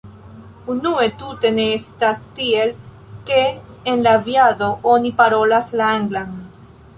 Unue tute ne estas tiel, ke en la aviado oni parolas la anglan.